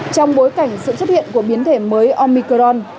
trong bối cảnh sự xuất hiện của biến thể mới omicron